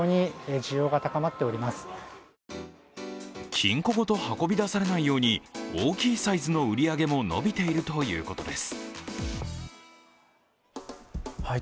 金庫ごと運び出されないように、大きいサイズの売り上げも伸びているということです。